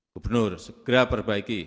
gubernur segera perbaiki